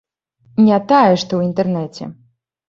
Не тая, што ў інтэрнэце.